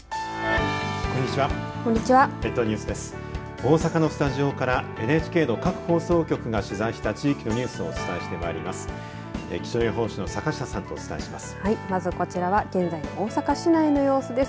大阪のスタジオからＮＨＫの各放送局が取材した地域のニュースをお伝えしてまいります。